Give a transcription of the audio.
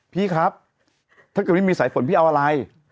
พี่ครับถ้าเกิดไม่มีสายฝนพี่เอาอะไร